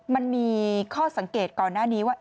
มันมีข้อสังเกตก่อนหน้านี้ว่า